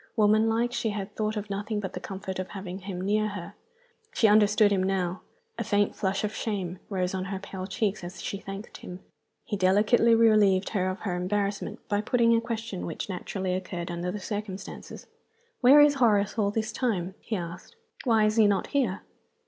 Woman like, she had thought of nothing but the comfort of having him near her. She understood him now. A faint flush of shame rose on her pale cheeks as she thanked him. He delicately relieved her from her embarrassment by putting a question which naturally occurred under the circumstances. "Where is Horace all this time?" he asked. "Why is he not here?"